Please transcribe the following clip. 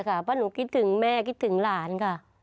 เพราะหนูคิดถึงแม่คิดถึงหลานค่ะ